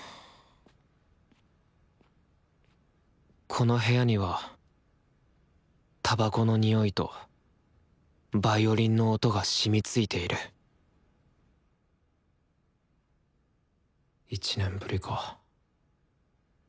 この部屋にはたばこの臭いとヴァイオリンの音が染みついている１年ぶりか。